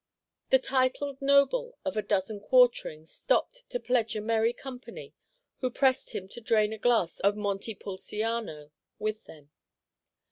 The titled noble of a dozen quarterings stopped to pledge a merry company who pressed him to drain a glass of Monte Pulciano with them.